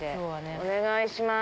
お願いします